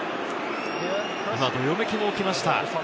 今、どよめきが起きました。